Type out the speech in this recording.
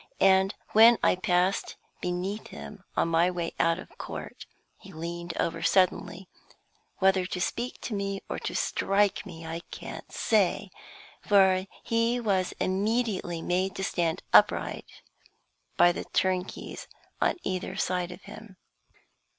And when I passed beneath him on my way out of court, he leaned over suddenly, whether to speak to me or to strike me I can't say, for he was immediately made to stand upright again by the turnkeys on either side of him.